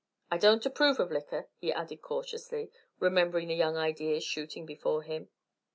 I don't approve of liquor," he added cautiously, remembering the young ideas shooting before him.